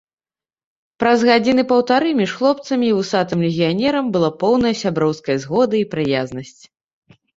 Праз гадзіны паўтары між хлопцамі і вусатым легіянерам была поўная сяброўская згода і прыязнасць.